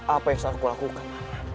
apa yang harus aku lakukan